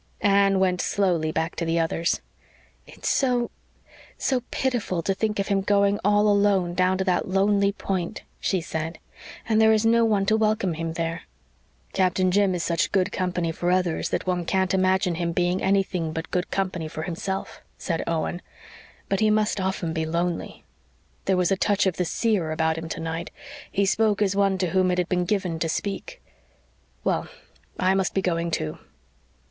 Anne went slowly back to the others. "It's so so pitiful to think of him going all alone down to that lonely Point," she said. "And there is no one to welcome him there." "Captain Jim is such good company for others that one can't imagine him being anything but good company for himself," said Owen. "But he must often be lonely. There was a touch of the seer about him tonight he spoke as one to whom it had been given to speak. Well, I must be going, too."